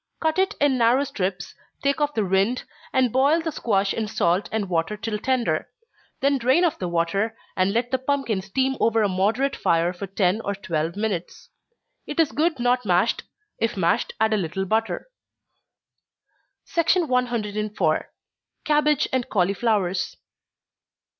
Cut it in narrow strips, take off the rind, and boil the squash in salt and water till tender then drain off the water, and let the pumpkin steam over a moderate fire for ten or twelve minutes. It is good not mashed if mashed, add a little butter. 104. _Cabbage and Cauliflowers.